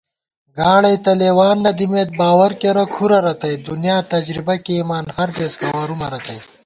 گاڑَئی تہ لېوان نہ دِمېت باوَرکېرہ کُھرَہ رتئ * دُنیا تجربہ کېئیمان ہردېس گوَرُومہ رتئ